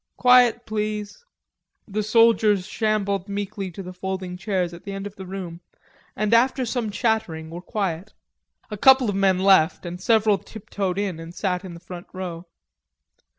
Quiet, please." The soldiers shambled meekly to the folding chairs at the end of the room and after some chattering were quiet. A couple of men left, and several tiptoed in and sat in the front row.